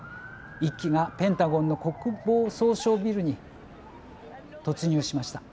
１機がペンタゴンの国防総省ビルに突入しました。